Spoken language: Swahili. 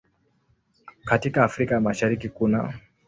Katika Afrika ya Mashariki kunaː